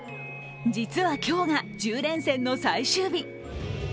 実は今日が１０連戦の最終日。